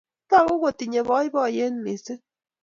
Tagu kotinye poipoiyet missing' raini